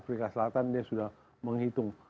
afrika selatan dia sudah menghitung